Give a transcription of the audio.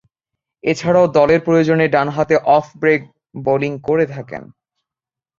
এছাড়াও দলের প্রয়োজনে ডানহাতে অফ ব্রেক বোলিং করে থাকেন।